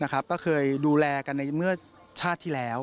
ก็เคยดูแลกันในเมื่อชาติที่แล้ว